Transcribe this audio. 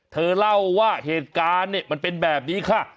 เธอเล่าว่าเหตุการณ์เนี่ยมันเป็นแบบนี้ค่ะ